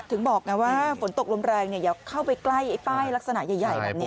ถึงบอกไงว่าฝนตกลมแรงอย่าเข้าไปใกล้ไอ้ป้ายลักษณะใหญ่แบบนี้